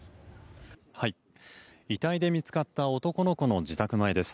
遺体で見つかった男の子の自宅前です。